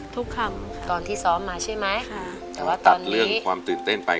ทุกคำตอนที่ซ้อมมาใช่ไหมค่ะแต่ว่าตัดเรื่องความตื่นเต้นไป